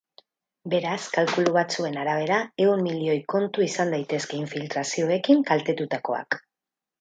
Beraz, kalkulu batzuen arabera, ehun milioi kontu izan daitezke infiltrazioekin kaltetutakoak.